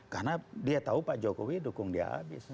karena dia tahu pak jokowi dukung dia abis